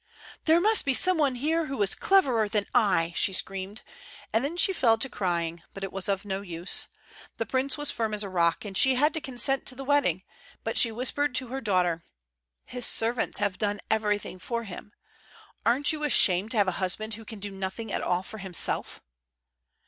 "There must be some one here who is cleverer than I!" she screamed, and then she fell to crying, but it was of no use. The prince was firm as a rock, and she had to consent to the wedding; but she whispered to her daughter: "His servants have done everything for him. Aren't you ashamed to have a husband who can do nothing at all for himself?"